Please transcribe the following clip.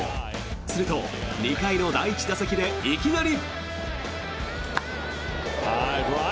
すると、２回の第１打席でいきなり。